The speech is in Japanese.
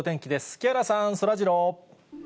木原さん、そらジロー。